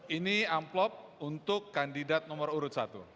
ini amplop untuk kandidat nomor urut satu